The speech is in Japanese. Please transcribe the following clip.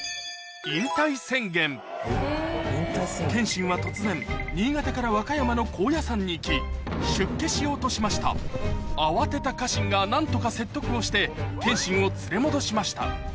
謙信は突然新潟から和歌山の高野山に行き出家しようとしました慌てた家臣が何とか説得をして謙信を連れ戻しました